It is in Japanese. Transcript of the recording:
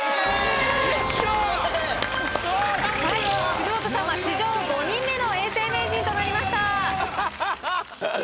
藤本さんは史上５人目の永世名人となりました。